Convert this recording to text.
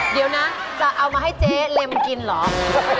เดี๋ยวนะจะเอามาให้เจ๊เล็มกินเหรอ